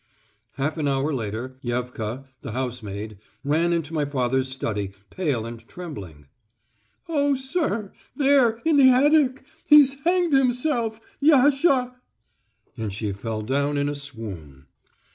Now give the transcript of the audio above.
Half an hour later Yevka, the housemaid, ran into my father's study, pale and trembling. "Oh, sir ... there ... in the attic ... he's hanged himself ... Yasha...." And she fell down in a swoon.